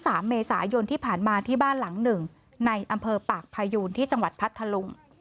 สามเมษายนที่ผ่านมาที่บ้านหลังหนึ่งในอำเภอปากพายูนที่จังหวัดพัทธลุง